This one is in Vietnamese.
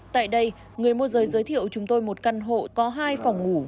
tại đây người môi giới giới thiệu chúng tôi một căn hộ có hai phòng ngủ